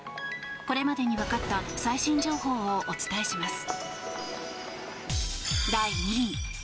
これまでにわかった最新情報をお伝えします。